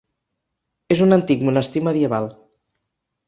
És un antic monestir medieval.